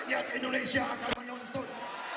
rakyat indonesia akan menuntun